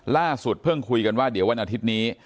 เพิ่งคุยกันว่าเดี๋ยววันอาทิตย์นี้